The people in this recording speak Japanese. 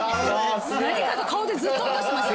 何かと顔でずっと落としてました。